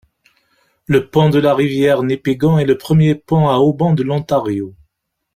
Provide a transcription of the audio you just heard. Le pont de la rivière Nipigon est le premier pont à haubans de l'Ontario.